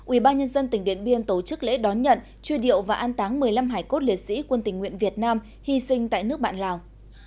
ubnd tỉnh điện biên tổ chức lễ đón nhận truy điệu và an táng một mươi năm hải cốt liệt sĩ quân tỉnh nguyện việt nam hy sinh tại nước bạn lào